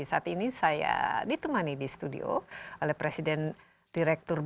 saat ini saya ditemani di studio oleh presiden direktur